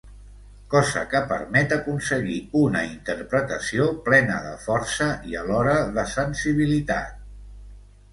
Cosa que permet aconseguir una interpretació plena de força, i alhora, de sensibilitat.